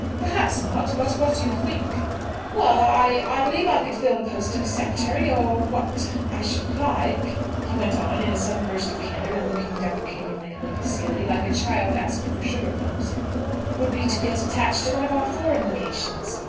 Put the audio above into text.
"Perhaps not; but what do you think?" "Well, I I believe I could fill the post of secretary, or What I should like," he went on, in a sudden burst of candour, and looking deprecatingly at Lady Seely, like a child asking for sugar plums, "would be to get attached to one of our foreign legations."